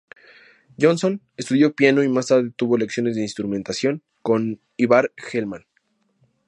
Jonsson estudió piano y más tarde tuvo lecciones de instrumentación con Ivar Hellman.